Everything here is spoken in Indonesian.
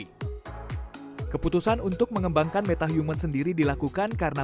keputusan untuk mengembangkan metahuman adalah untuk mengembangkan metahuman dan sudah dilakukan di luar negeri